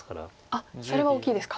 あっそれは大きいですか。